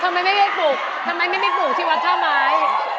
ทำไมไม่เรียกปลูกทำไมไม่ปลูกที่วัดท่าไม้